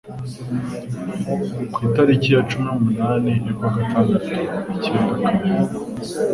ku itariki yacumi numunani y'ukwa gatandatu icyenda kane